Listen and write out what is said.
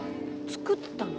作ったの？